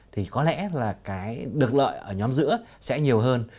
thì có lẽ là cái được lợi ở nhóm giữa sẽ nhiều hơn